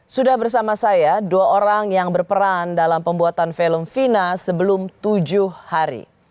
sudah bersama saya dua orang yang berperan dalam pembuatan film fina sebelum tujuh hari